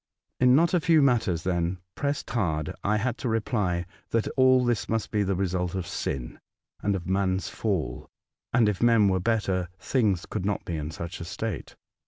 In not a few matters, when pressed hard, I had to reply, that all this must be the result of sin, and of man's Fall, and if men were better things could not be in such a state.